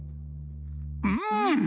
うん。